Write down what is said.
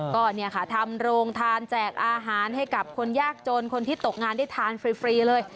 ก็เนี่ยค่ะทำโรงทานแจกอาหารให้กับคนยากจนคนที่ตกงานได้ทานฟรีเลย